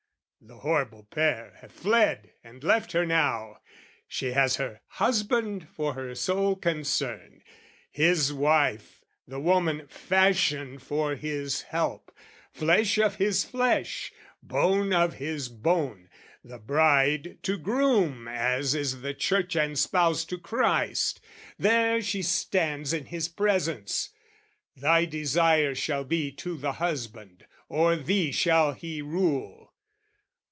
The horrible pair have fled and left her now, She has her husband for her sole concern, His wife, the woman fashioned for his help, Flesh of his flesh, bone of his bone, the bride To groom as is the Church and Spouse, to Christ: There she stands in his presence, "Thy desire "Shall be to the husband, o'er thee shall he rule!"